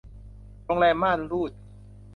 โรงแรมม่านรูด